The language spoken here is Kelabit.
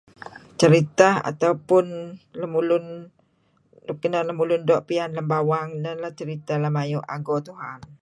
Ceritah atau punlemulun luk inan lemulun doo' piyan lem bawang ieh ineh ceritah lem ayu' ago Tuhan